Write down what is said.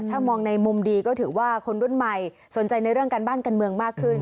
ถ้ามองในมุมดีก็ถือว่าคนรุ่นใหม่สนใจในเรื่องการบ้านการเมืองมากขึ้น